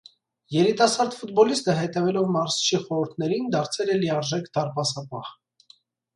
Երիտասարդ ֆուտբոլիստը, հետևելով մարզչի խորհուրդներին, դարձել է լիարժեք դարպասապահ։